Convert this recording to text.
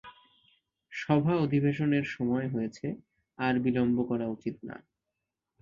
সভা-অধিবেশনের সময় হয়েছে, আর বিলম্ব করা উচিত হয় না।